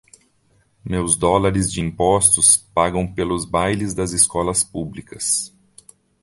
Meus dólares de impostos pagam pelos bailes das escolas públicas.